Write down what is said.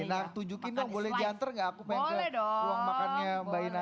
nah tuju kinong boleh diantar gak aku pengen ke ruang makan mbak naya